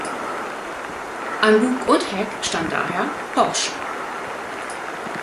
An Bug und Heck stand daher "Porsche".